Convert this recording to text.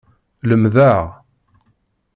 Lemdeɣ.